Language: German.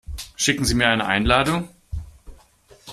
Schicken Sie mir eine Einladung?